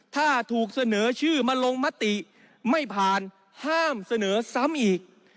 ถ้าถูกเสนอชื่อมาลงมติไม่ผ่านห้ามเสนอซ้ำอีก